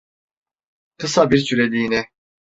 Kısa bir süreliğine.